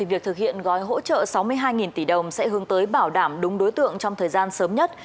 việc thực hiện gói hỗ trợ sáu mươi hai tỷ đồng sẽ hướng tới bảo đảm đúng đối tượng trong thời gian sớm nhất